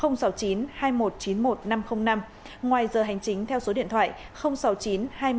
ngoài giờ hành chính theo số điện thoại sáu mươi chín hai nghìn một trăm chín mươi một năm trăm linh sáu